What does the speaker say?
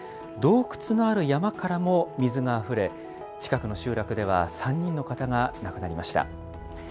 洞窟がある山からも水があふれ、近くの集落では３人の方が亡くなりました。